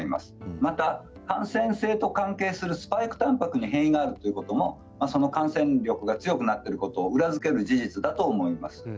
また感染性と関係するスパイクたんぱくに変異があるということも感染力が強くなっていることを裏付ける事実だと思います。